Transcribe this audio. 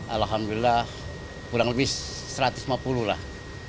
alhamdulillah kurang lebih satu ratus lima puluh lah